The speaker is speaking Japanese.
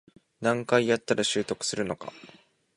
何回やったら習得するのか